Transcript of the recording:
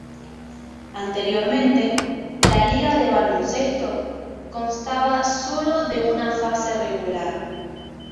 Anteriormente, la liga de baloncesto constaba solo de una fase regular.